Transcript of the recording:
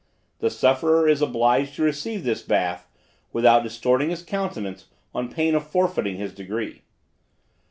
The sufferer is obliged to receive this bath without distorting his countenance, on pain of forfeiting his degree.